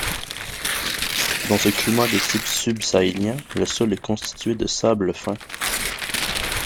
Dans ce climat de type sub-sahélien, le sol est constitué de sable fin.